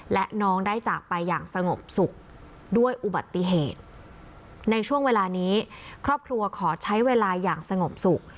และน้องได้จากไปอย่างสงบสุขด้วยอุบัติเหตุในช่วงเวลานี้ครอบครัวขอใช้เวลาอย่างสงบสุข